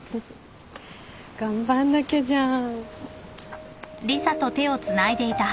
頑張んなきゃじゃん。